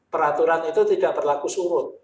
peraturan itu tidak berlaku surut